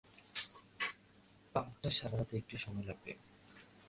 পাম্পটা সারাতে একটু সময় লাগবে।